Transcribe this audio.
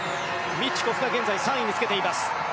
ミチュコフが現在３位につけています。